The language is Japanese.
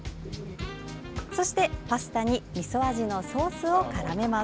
そして、パスタにみそ味のソースをからめます。